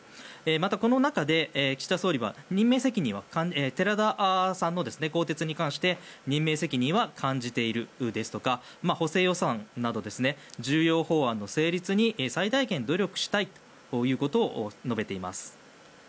またこの中で岸田総理は寺田さんの更迭に関して任命責任は感じているですとか補正予算など、重要法案の成立に最大限努力したいということを述べています。